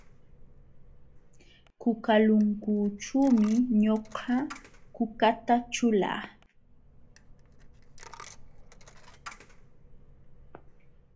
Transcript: Kukalunkućhuumi ñuqa kukata ćhulaa.